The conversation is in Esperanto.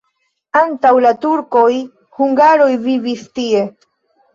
Antaŭ la turkoj hungaroj vivis tie.